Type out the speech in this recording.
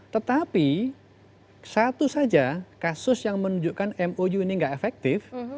tetapi satu saja kasus yang menunjukkan mou ini tidak efektif